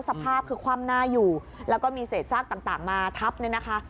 สภาพคือคว่ำหน้าอยู่แล้วก็มีเศษซากต่างมาทับเนี่ยนะคะ